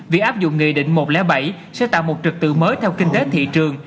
việc áp dụng nghị định một trăm linh bảy sẽ tạo một trực tự mới theo kinh tế thị trường